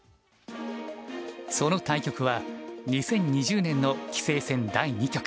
その対局は２０２０年の棋聖戦第２局。